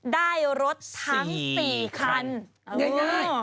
ได้รถทั้ง๔คัน